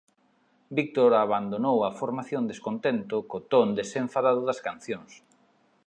Víctor abandonou a formación descontento co ton desenfadado das cancións.